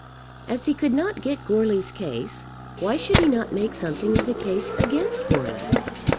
As he could not get Goarly's case why should he not make something of the case against Goarly?